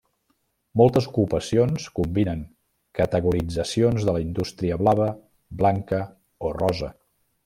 Moltes ocupacions combinen categoritzacions de la indústria blava, blanca o rosa.